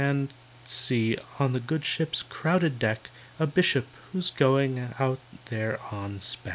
And, see, on the good ship's crowded deck, A bishop, who's going out there on spec.